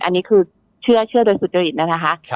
อันนี้คือเชื่อโดยสุจริตนะคะ